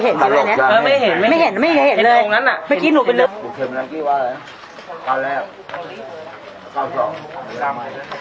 อันนี้คุณนักแรกที่ก่อนลุ้นได้อย่างไร